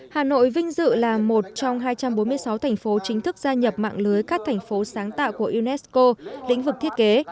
hà nội vinh dự là một trong hai trăm bốn mươi sáu thành phố chính thức gia nhập mạng lưới các thành phố sáng tạo của unesco lĩnh vực thiết kế